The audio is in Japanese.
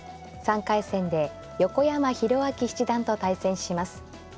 ３回戦で横山泰明七段と対戦します。